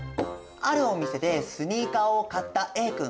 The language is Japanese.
あるお店でスニーカーを買ったＡ君。